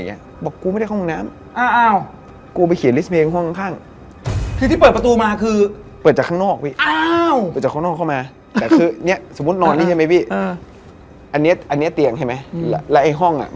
แล้วบ้านจัดสรรพี่มันจะมีซี่กง